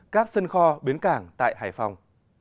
các sân kho bến cảng tại hải phòng